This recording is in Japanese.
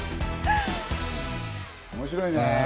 面白いね。